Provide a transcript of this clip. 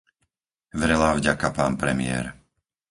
Vrelá vďaka, pán premiér.